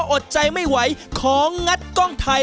อดใจไม่ไหวของงัดกล้องไทย